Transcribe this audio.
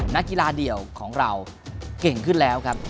นักกีฬาเดี่ยวของเราเก่งขึ้นแล้วครับ